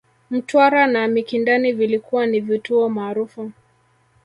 Mtwara na Mikindani vilikuwa ni vituo maarufu